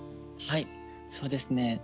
はいそうですね。